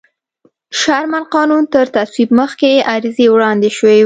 د شرمن قانون تر تصویب مخکې عریضې وړاندې شوې وې.